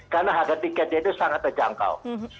karena harga tiketnya itu sangat terjangkau